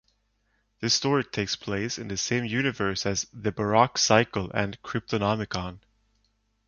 The story takes place in the same universe as "The Baroque Cycle" and "Cryptonomicon".